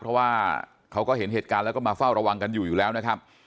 เพราะว่าเขาก็เห็นเหตุการณ์แล้วก็มาเฝ้าระวังกันอยู่อยู่แล้วนะครับ